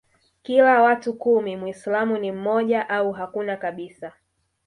kila watu kumi Mwislamu ni mmoja au hakuna kabisa